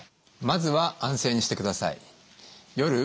まずは安静にしてください。